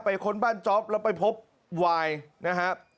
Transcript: ไปค้นบ้านจ๊อปแล้วไปพบวายนะฮะ